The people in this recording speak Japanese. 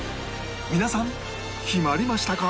皆さん決まりましたか？